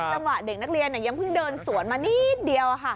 แต่เด็กนักเรียนยังผึ้งเดินสวนมานิดเดียว